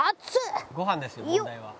「ご飯ですよ問題は」